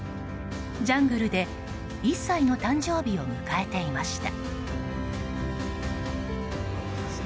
ジャングルで１歳の誕生日を迎えていました。